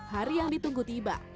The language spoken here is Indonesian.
hari yang ditunggu tiba